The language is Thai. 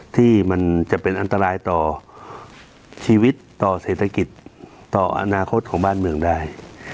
ที่มันจะเป็นอันตรายต่อชีวิตต่อเศรษฐกิจต่ออนาคตของบ้านเมืองได้